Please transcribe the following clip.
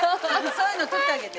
そういうの撮ってあげて。